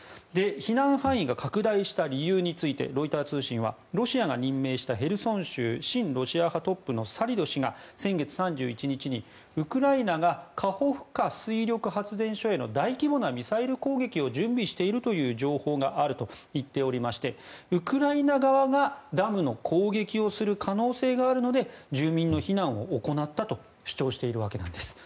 避難範囲が拡大した理由についてロイター通信はロシアが任命したへルソン州親ロシア派トップのサリド氏が先月３１日にウクライナがカホフカ水力発電所への大規模なミサイル攻撃を準備しているという情報があると言っておりましてウクライナ側がダムの攻撃をする可能性があるので住民の避難を行ったと主張しているわけなんです。